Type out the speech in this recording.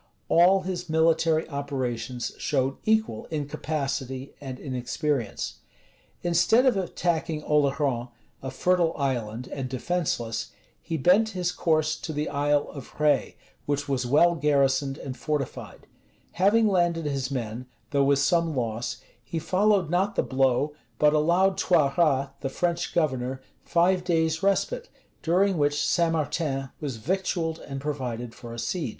[*] All his military operations showed equal incapacity and inexperience. Instead of attacking Oleron, a fertile island, and defenceless, he bent his course to the Isle of Rhé, which was well garrisoned and fortified: having landed his men, though with some loss, he followed not the blow, but allowed Toiras, the French governor, five days' respite, during which St. Martin was victualled and provided for a siege.